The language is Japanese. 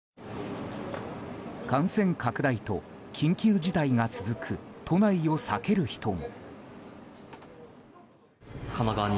感染拡大と緊急事態が続く都内を避ける人も。